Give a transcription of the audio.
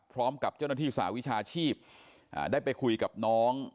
พร้อมกับเจ้าหน้าที่สาวิชาชีพได้ไปคุยกับน้อง